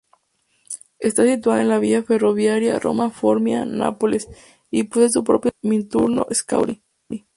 Está situada en la vía ferroviaria Roma-Formia-Nápoles y posee su propia estación, "Minturno-Scauri".